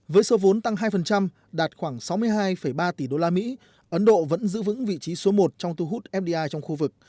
với số vốn tăng hai đạt khoảng sáu mươi hai ba tỷ usd ấn độ vẫn giữ vững vị trí số một trong thu hút fdi trong khu vực